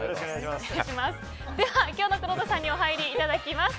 では、今日のくろうとさんにお入りいただきます。